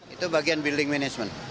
itu bagian building management